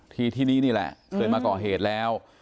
อ๋อที่นี่นี่แหละเคยมาเกาะเหตุแล้ว